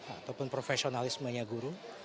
ataupun profesionalismenya guru